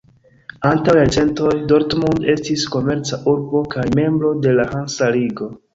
Antaŭ jarcentoj Dortmund estis komerca urbo kaj membro de la Hansa Ligo.